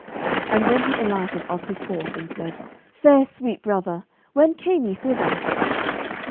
And then he alighted off his horse, and said, "Fair sweet brother, when came ye thither?"